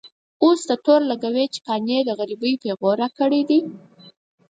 اوس ته تور لګوې چې قانع د غريبۍ پېغور راکړی دی.